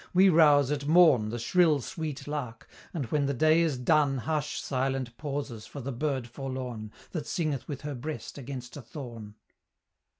We rouse at morn The shrill sweet lark; and when the day is done, Hush silent pauses for the bird forlorn, That singeth with her breast against a thorn."